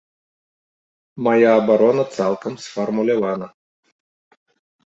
Мая абарона цалкам сфармулявана.